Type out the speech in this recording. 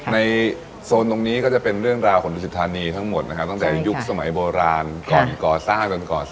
ในโซนตรงนี้ก็จะเป็นเรื่องราวของโรนดุสิทธานีทั้งหมดนะครับ